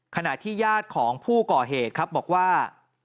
ขณะที่ญาติของผู้ก่อเหตุครับบอกว่า